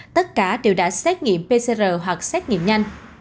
tất cả đều đã xét nghiệm pcr hoặc xét nghiệm nhanh